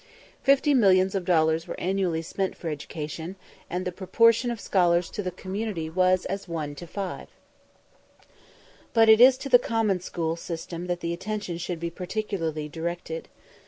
Fifty millions of dollars were annually spent for education, and the proportion of scholars to the community was as 1 to 5. But it is to the common school system that the attention should be particularly directed.